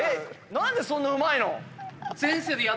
何でそんなうまいの？